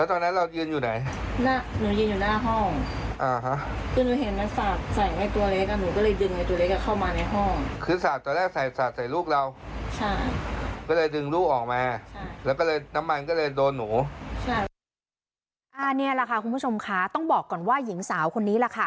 นี่แหละค่ะคุณผู้ชมคะต้องบอกก่อนว่าหญิงสาวคนนี้แหละค่ะ